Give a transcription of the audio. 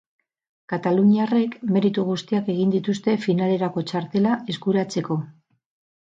Kataluniarrek meritu guztiak egin dituzte finalerako txartela eskuratzeko.